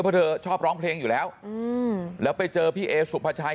ประมาณแกรียมดันเธอชอบร้องเพลงอยู่แล้วแล้วไปเจอพี่เอ๋สุภาชาย